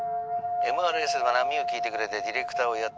「ＭＲＳ『波よ聞いてくれ』でディレクターをやってます